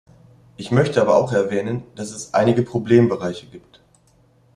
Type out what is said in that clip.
Ich möchte aber auch erwähnen, dass es einige Problembereiche gibt.